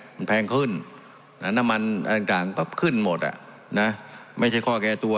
มันแพงขึ้นน้ำมันอะไรต่างก็ขึ้นหมดอ่ะนะไม่ใช่ข้อแก้ตัว